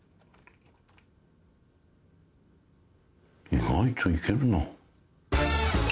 意外とイケるな。